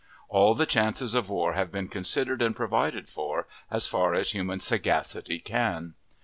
All the chances of war have been considered and provided for, as far as human sagacity can.